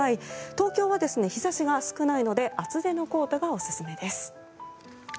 東京は日差しが少ないので厚手のコートがおすすめです。